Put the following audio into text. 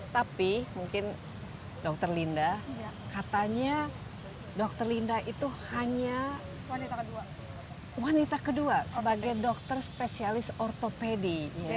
tapi mungkin dokter linda katanya dokter linda itu hanya wanita kedua sebagai dokter spesialis ortopedi